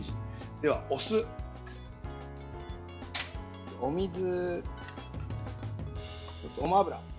では、お酢、お水、ごま油。